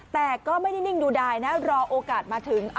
แต่ก็ไม่ได้นิ่งดูดายนะรอโอกาสมาถึง